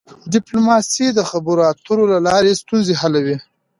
ډيپلوماسي د خبرو اترو له لاري ستونزي حلوي.